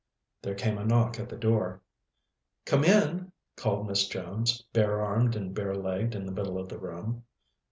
There came a knock at the door. "Come in!" called Miss Jones, bare armed and bare legged in the middle of the room.